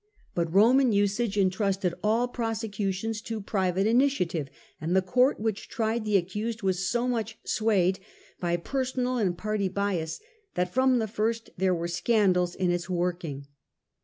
But Roman usage entrusted all prosecutions to private initiative, and the court which tried the accused was so much swayed by personal and party bias that from the first there were scandals in its working.